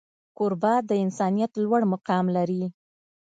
کوربه د انسانیت لوړ مقام لري.